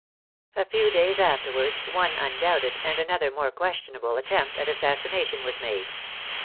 A few days afterwards, one undoubted, and another more questionable, attempt at assassination was made.